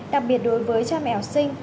đặc biệt đối với cha mẹ học sinh